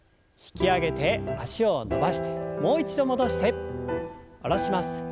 引き上げて脚を伸ばしてもう一度戻して下ろします。